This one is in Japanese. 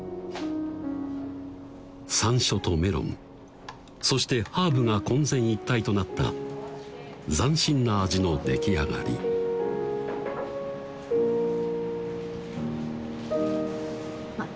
山椒とメロンそしてハーブがこん然一体となった斬新な味の出来上がりあっ